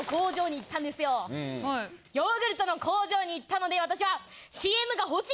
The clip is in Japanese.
ヨーグルトの工場に行ったので私は。